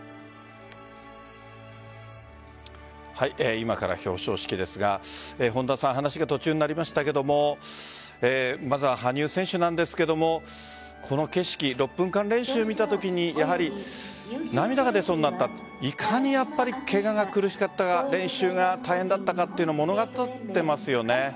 今から表彰式ですが本田さん、話が途中になりましたけれどもまずは羽生選手なんですけどこの景色、６分間練習見たときにやはり涙が出そうになったいかに、けがが苦しかったか練習が大変だったかを物語っていますよね。